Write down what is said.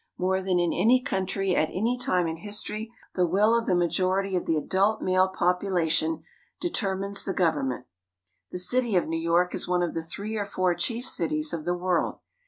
More than in any country at any time in history, the will of the majority of the adult male population determines the government. The city of New York is one of the three or four chief cities of the world.